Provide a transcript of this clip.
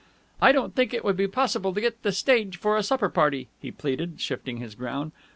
"I don't think it would be possible to get the stage for a supper party," he pleaded, shifting his ground.